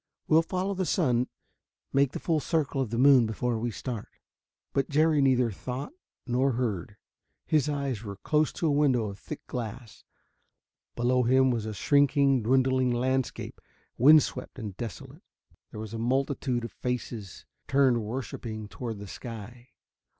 We'll follow the sun make the full circle of the moon before we start." But Jerry neither thought nor heard. His eyes were close to a window of thick glass. Below him was a shrinking, dwindling landscape, wind swept and desolate. There was a multitude of faces, turned worshipping toward the sky.